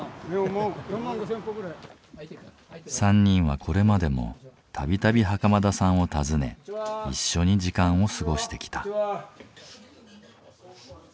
３人はこれまでも度々袴田さんを訪ね一緒に時間を過ごしてきた。